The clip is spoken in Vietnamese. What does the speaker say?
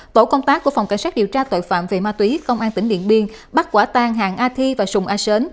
tổ công tác của phòng cảnh sát điều tra tội phạm về ma túy công an tỉnh điện biên bắt quả tàn hạng a thi và sùng a sến